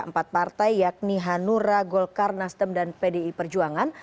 empat partai yakni hanura golkar nasdem dan pdi perjuangan